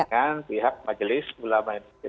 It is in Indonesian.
dengan pihak majelis ulama indonesia